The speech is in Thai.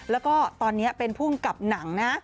แล้วก็ตอนนี้เป็นภูมิกับหนังนะ